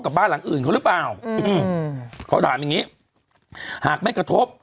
บ้านหลังอื่นเขาหรือเปล่าอืมเขาถามอย่างงี้หากไม่กระทบ